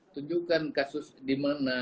tunjukkan kasus dimana